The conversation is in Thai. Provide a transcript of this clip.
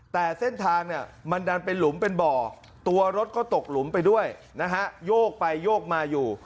แต่เส้นทางเนี่ยมันดันเป็นหลุมเป็นบ่อตัวรถก็ตกหลุมไปด้วยนะฮะโยกไปโยกมาอยู่